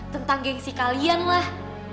tentang gengsi kalian lah